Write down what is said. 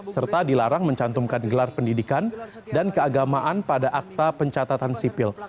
serta dilarang mencantumkan gelar pendidikan dan keagamaan pada akta pencatatan sipil